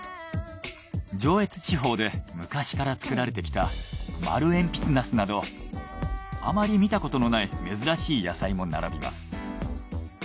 上越地方で昔から作られてきた丸えんぴつナスなどあまり見たことのない珍しい野菜も並びます。